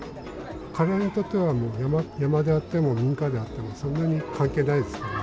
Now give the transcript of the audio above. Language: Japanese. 彼らにとっては山であっても、民家であっても、そんなに関係ないですから。